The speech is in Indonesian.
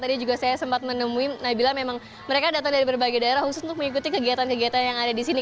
tadi juga saya sempat menemui nabila memang mereka datang dari berbagai daerah khusus untuk mengikuti kegiatan kegiatan yang ada di sini